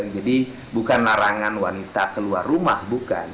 jadi bukan larangan wanita keluar rumah bukan